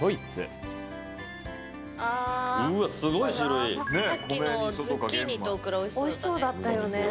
さっきのズッキーニとオクラおいしそうだったよね。